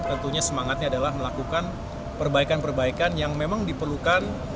tentunya semangatnya adalah melakukan perbaikan perbaikan yang memang diperlukan